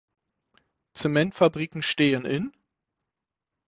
Zementfabriken stehen in